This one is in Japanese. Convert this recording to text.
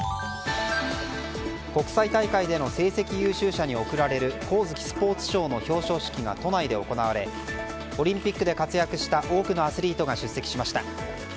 国際大会での成績優秀者に贈られる上月スポーツ賞の表彰式が都内で行われオリンピックで活躍した多くのアスリートが出席しました。